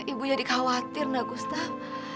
ibu jadi khawatir nggak gustaf